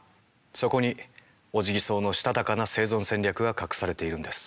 そこにオジギソウのしたたかな生存戦略が隠されているんです。